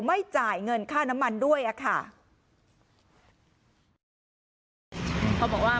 ไม่จ่ายเงินค่าน้ำมันด้วยอะค่ะ